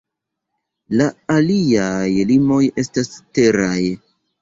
La aliaj limoj estas teraj.